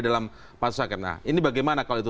dalam pasus angket nah ini bagaimana kalau itu